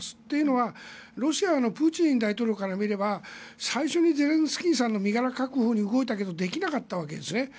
というのは、ロシアのプーチン大統領から見れば最初に、ゼレンスキーさんの身柄確保に動いたけどできなかったわけですね。